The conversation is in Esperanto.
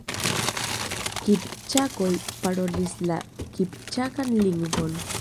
Kipĉakoj parolis la kipĉakan lingvon.